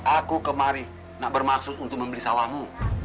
aku kemari nak bermaksud untuk membeli sawahmu